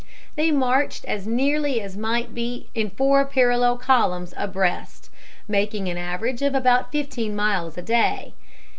They marched as nearly as might be in four parallel columns abreast, making an average of about fifteen miles a day.